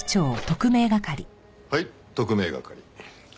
はい特命係。